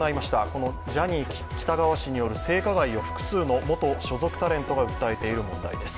このジャニー喜多川氏による性加害を複数の元所属タレントが訴えている問題です。